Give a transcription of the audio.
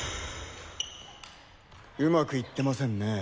うまくいってませんねぇ。